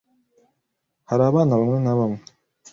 Hari abana bamwe na bamwe